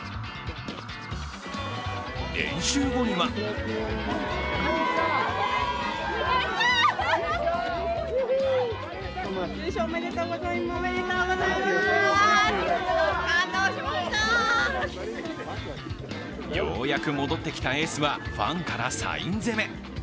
練習後にはようやく戻ってきたエースはファンからサイン攻め。